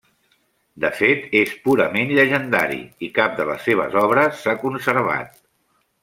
De fet és purament llegendari i cap de les seves obres s'ha conservat.